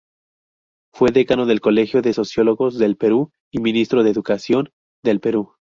Fue Decano del Colegio de Sociólogos del Perú, y Ministro de Educación del Perú.